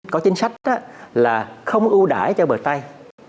có chính sách là không ưu đãi cho bờ tây